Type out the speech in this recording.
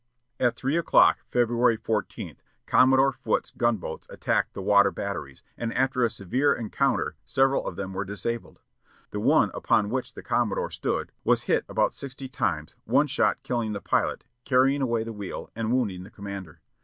At three o'clock, February 14, Commodore Foote's gun boats attacked the water batteries, and after a severe encounter several of them were disabled. The one upon which the commodore stood was hit about sixty times, one shot killing the pilot, carrying away the wheel, and wounding the commander.